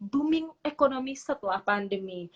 booming ekonomi setelah pandemi